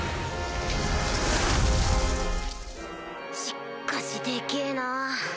しっかしでけぇなぁ。